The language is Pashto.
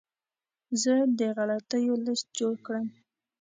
زه د غلطیو لیست جوړ کړم.